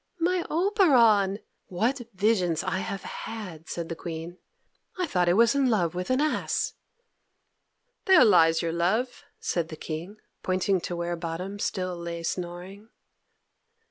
"My Oberon! What visions I have had!" said the Queen. "I thought I was in love with an ass." "There lies your love," said the King, pointing to where Bottom still lay snoring.